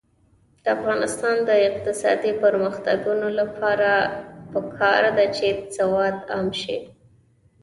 د افغانستان د اقتصادي پرمختګ لپاره پکار ده چې سواد عام شي.